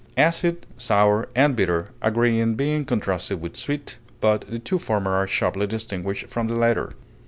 Acid, sour, and bitter agree in being contrasted with sweet, but the two former are sharply distinguished from the latter.